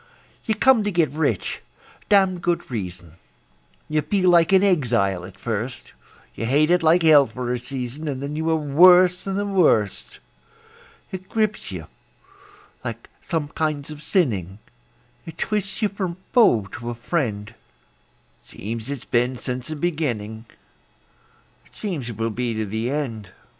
You come to get rich (damned good reason); You feel like an exile at first; You hate it like hell for a season, And then you are worse than the worst. It grips you like some kinds of sinning; It twists you from foe to a friend; It seems it's been since the beginning; It seems it will be to the end.